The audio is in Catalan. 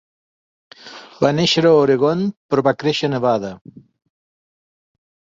Va néixer a Oregon però va créixer a Nevada.